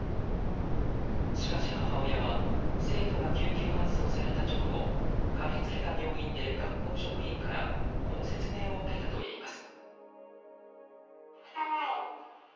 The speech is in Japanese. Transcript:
しかし、母親は生徒が救急搬送された直後駆け付けた病院で学校職員からこう説明を受けたといいます。